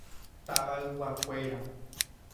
Tavayguakuéra.